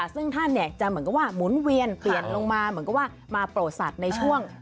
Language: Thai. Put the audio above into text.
ซึ่งท่านจะเหมือนกับว่าหมุนเวียนเปลี่ยนลงมาเหมือนกับว่ามาโปรดสัตว์ในช่วง